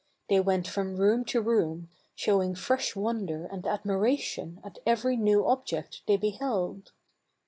They went from room to room, showing fresh wonder and admiration at every new object they beheld.